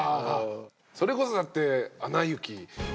それこそだって。